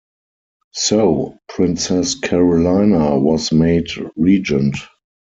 So, Princess Carolina was made regent.